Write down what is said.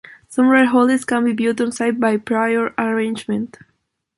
Some rare holdings can be viewed on site by prior arrangement.